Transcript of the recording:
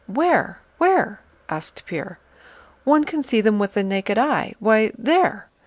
"Where? Where?" asked Pierre. "One can see them with the naked eye... Why, there!"